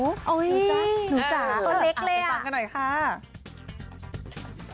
หนูจ้าหนูจ้าก็เล็กเลยน่ะอาฟถ้าเกิดฟังกันหน่อยค่ะเออเอออ๋อ